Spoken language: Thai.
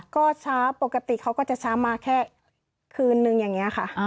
ก็ช้าปกติเขาก็จะช้ามาแค่คืนนึงอย่างนี้ค่ะ